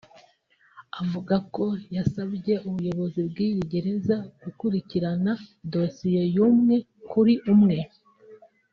avuga ko yasabye ubuyobozi bw’iyi gereza gukurikirana dosiye y’umwe kuri umwe